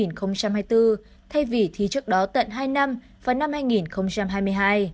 thay vì thi trước đó tận hai năm vào năm hai nghìn hai mươi hai